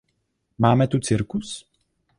Máme tu cirkus?